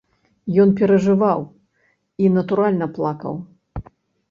Ён перажываў і, натуральна, плакаў.